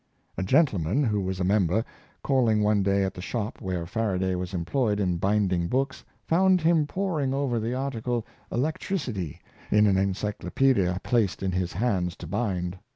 A gentleman, who was a member, calling one day at the shop where Faraday was employed in binding books found him por ing over the article ^' Electricity " in an Encyclopaedia placed in his hands to bind.